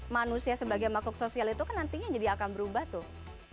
manusia sebagai makhluk sosial itu kan nantinya jadi akan berubah tuh